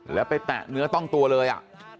แล้วไปแตะเนื้อต้องตัวเลย